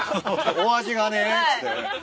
「お味がね」っつって。